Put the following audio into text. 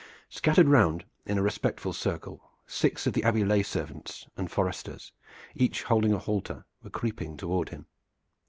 Scattered round in a respectful circle, six of the Abbey lay servants and foresters, each holding a halter, were creeping toward him.